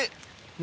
何？